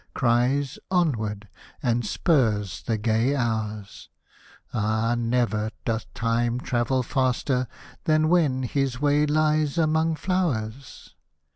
Cries " Onward !" and spurs the gay hours Ah, never doth Time travel faster. Than when his way lies among flowers.